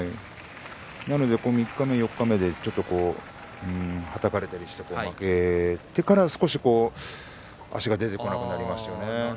三日目、四日目でちょっとはたかれたりして負けてから少し足が出てこなくなりましたね。